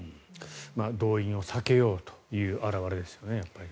動員を避けようという表れですよね。